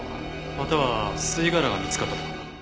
または吸い殻が見つかったとか。